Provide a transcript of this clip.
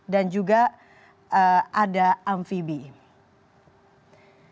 dan juga ada amphibie